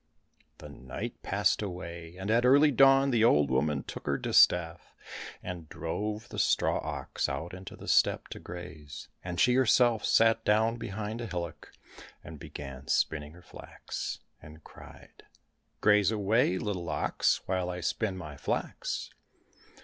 The night passed away, and at early dawn the old woman took her distaff, and drove the straw ox out into the steppe to graze, and she herself sat down behind a hillock, and began spinning her flax, and cried, " Graze away, little ox, while I spin my flax